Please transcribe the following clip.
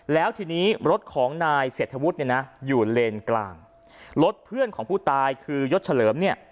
แล้วทีนี้รถของนายเศรษฐวุฒิเนี่ยนะอยู่เลนกลางรถเพื่อนของผู้ตายคือยศเฉลิมเนี่ย